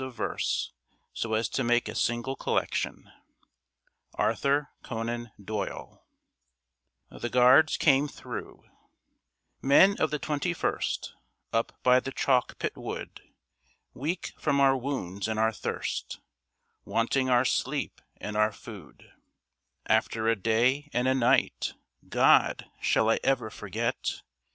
65 CHRISTMAS IN WARTIME 68 LINDISFAIRE 70 A PARABLE 75 FATE 76 THE GUARDS CAME THROUGH Men of the Twenty first, Up by the Chalk Pit Wood, Weak from our wounds and our thirst, Wanting our sleep and our food After a day and a night. God! shall I ever forget?